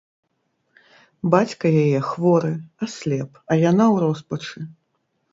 Бацька яе хворы, аслеп, а яна ў роспачы.